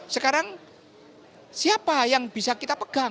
sekarang siapa yang bisa kita pegang